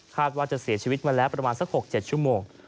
ว่าจะเสียชีวิตมาแล้วประมาณสัก๖๗ชั่วโมง